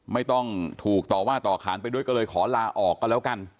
ไม่ต้องถูกต่อว่าต่อขานไปด้วยก็เลยขอลาออกกันแล้วกัน